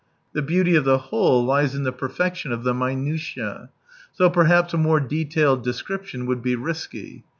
The beauty of the whole lies in the perfection of the minutiE. So perhaps a more detailed description would be risky.